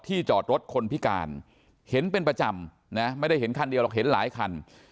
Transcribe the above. จอดรถคนพิการเห็นเป็นประจำนะไม่ได้เห็นคันเดียวหรอกเห็นหลายคัน